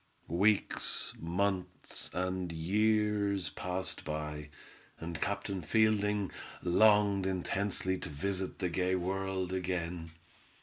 Weeks, months, and years passed by, and Captain Fielding longed intensely to visit the gay world again.